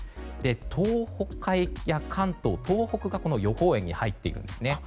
東海や関東、東北が予報円に入っているんですね。